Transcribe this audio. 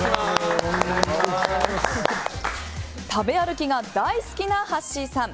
食べ歩きが大好きなはっしーさん。